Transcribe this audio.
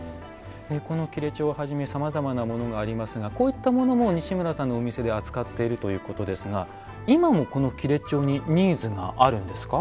この裂帖をはじめさまざまなものがありますがこういったものも西村さんのお店で扱っているということですが今もこの裂帖にニーズがあるんですか？